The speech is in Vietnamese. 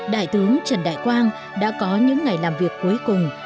đại tướng trần đại quang đã có những ngày làm việc cuối cùng